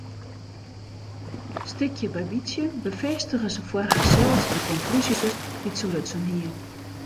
Stikje by bytsje befêstige se foar harsels de konklúzjes dy't se lutsen hie.